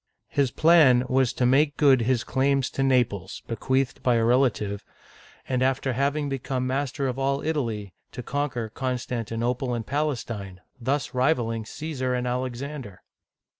His plan was to make good his claims to Naples, — bequeathed by a relative, — and after having become master of all Italy, to conquer Constantinople and Palestine, thus rivaling Caesar and Alexander